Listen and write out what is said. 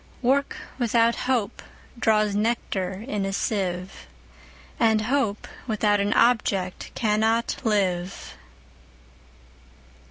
Work without Hope draws nectar in a sieve, And Hope without an object cannot live.